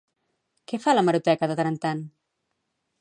Què fa l'hemeroteca de tant en tant?